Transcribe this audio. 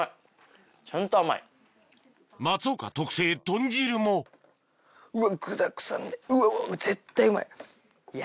松岡特製豚汁もうわ具だくさんでうわうわ